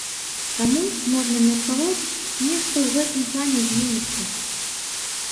Таму, можна меркаваць, нешта ў гэтым плане зменіцца.